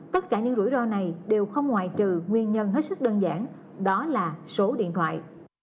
tất cả những rủi ro này đều không ngoại trừ nguyên nhân hết sức đơn giản đó là số điện thoại